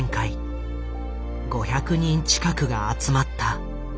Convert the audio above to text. ５００人近くが集まった。